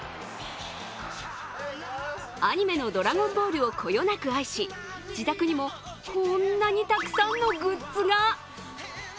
アニメの「ドラゴンボール」をこよなく愛し、自宅にもこんなにたくさんのグッズが。